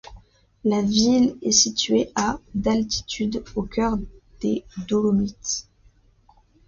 La ville est située à d'altitude, au cœur des Dolomites.